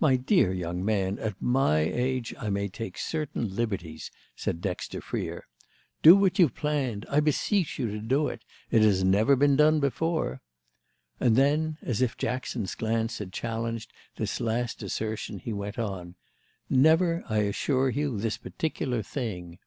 "My dear young man, at my age I may take certain liberties," said Dexter Freer. "Do what you've planned—I beseech you to do it; it has never been done before." And then as if Jackson's glance had challenged this last assertion he went on: "Never, I assure you, this particular thing.